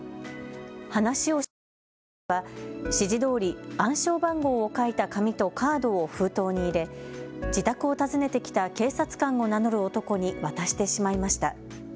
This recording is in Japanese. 話を信じた女性は指示どおり暗証番号を書いた紙とカードを封筒に入れ、自宅を訪ねてきた警察官を名乗る男に渡してしまいました。